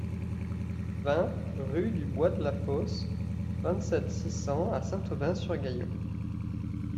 vingt rue du Bois de la Fosse, vingt-sept, six cents à Saint-Aubin-sur-Gaillon